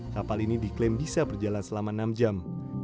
kapal ini diklaim bisa berjalan selama enam jam